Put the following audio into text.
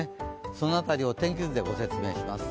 その辺りを天気図でご説明します。